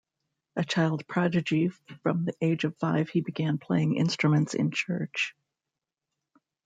A child prodigy from the age of five, he began playing instruments in church.